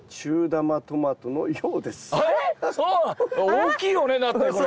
大きいよねだってこれ。